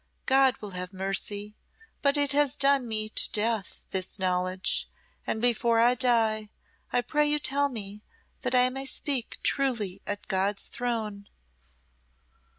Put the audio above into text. God will have mercy but it has done me to death, this knowledge, and before I die, I pray you tell me, that I may speak truly at God's throne."